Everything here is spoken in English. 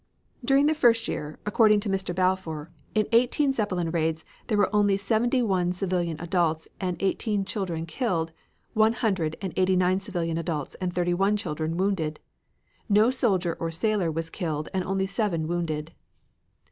During the first year, according to Mr. Balfour, in eighteen Zeppelin raids there were only seventy one civilian adults and eighteen children killed, one hundred and eighty nine civilian adults and thirty one children wounded. No soldier or sailor was killed and only seven wounded.